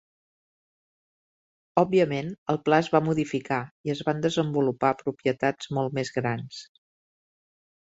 Òbviament, el pla es va modificar i es van desenvolupar propietats molt més grans.